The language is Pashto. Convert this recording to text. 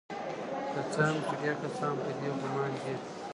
که څه هم چې ډیر کسان په دې ګمان دي